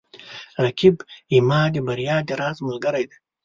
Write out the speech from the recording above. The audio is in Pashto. رقیب زما د بریا د راز ملګری دی